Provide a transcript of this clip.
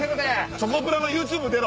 チョコプラのＹｏｕＴｕｂｅ出ろ！